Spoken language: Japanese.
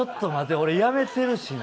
俺やめてるしな。